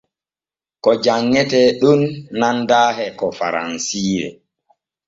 Ko janŋete ɗon nanda e ko faransire.